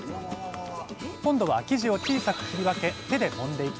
今度は生地を小さく切り分け手でもんでいきます。